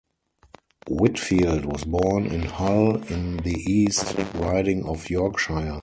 Whitfield was born in Hull in the East Riding of Yorkshire.